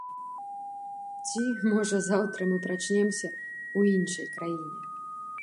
Ці, можа, заўтра мы прачнемся ў іншай краіне?